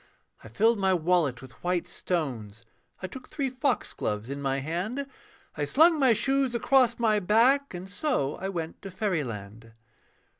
I filled my wallet with white stones, I took three foxgloves in my hand, I slung my shoes across my back, And so I went to fairyland.